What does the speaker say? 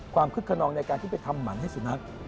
คึกขนองในการที่ไปทำหมันให้สุนัข